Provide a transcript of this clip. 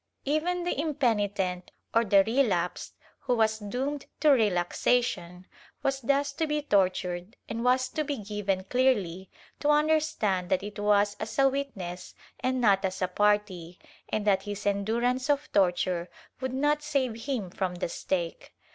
Even the impenitent or the relapsed, who was doomed to relaxation, was thus to be tortured and was to be given clearly to understand that it was as a witness and not as a party, and that his endurance of torture would not save him from the stake.